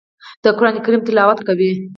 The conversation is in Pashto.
د قران کریم تلاوت کوي.